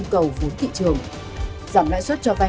cầu vốn thị trường giảm lãi suất cho vai